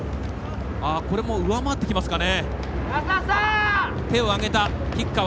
これも上回ってきますかね。